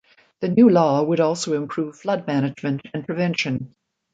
The new law would also improve flood management and prevention.